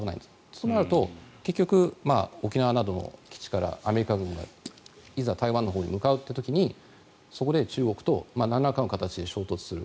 となると結局沖縄などの基地からアメリカ軍が、いざ台湾のほうに向かうという時にそこで中国となんらかの形で衝突する。